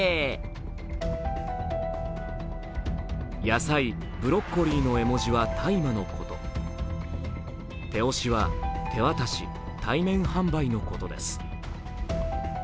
野菜・ブロッコリーの絵文字は大麻のこと手押しは、手渡し・対面販売のことです。＃